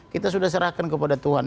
kita sudah serahkan kepada tuhan